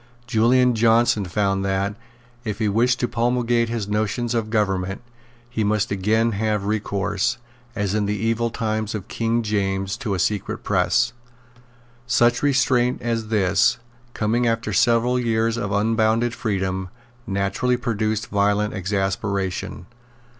Julian Johnson found that, if he wished to promulgate his notions of government, he must again have recourse, as in the evil times of King James, to a secret press. Such restraint as this, coming after several years of unbounded freedom, naturally produced violent exasperation.